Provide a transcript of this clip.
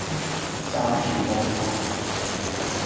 揸住煲茶